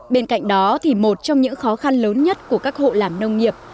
bên cạnh đó thì một trong những khó khăn lớn nhất của các hộ làm nông nghiệp